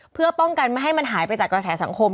เพื่อป้องกันไม่ให้มันหายไปจากกระแสสังคม